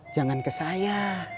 jangan ke saya